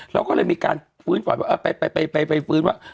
เราก็เลยมีการฟื้นฝันว่าไปฟื้นว่า